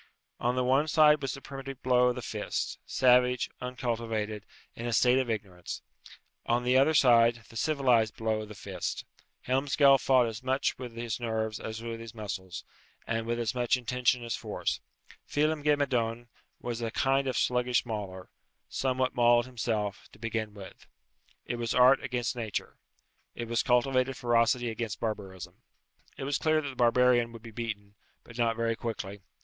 On the one side was the primitive blow of the fist savage, uncultivated, in a state of ignorance; on the other side, the civilized blow of the fist. Helmsgail fought as much with his nerves as with his muscles, and with as much intention as force. Phelem ghe Madone was a kind of sluggish mauler somewhat mauled himself, to begin with. It was art against nature. It was cultivated ferocity against barbarism. It was clear that the barbarian would be beaten, but not very quickly.